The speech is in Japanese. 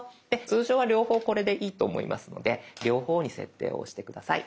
通常は両方これでいいと思いますので両方に設定を押して下さい。